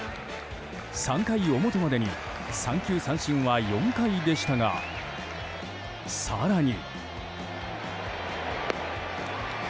３回表までに三球三振は４階でしたが更に。